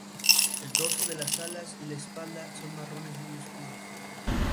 El dorso de las alas y la espalda son marrones muy oscuros.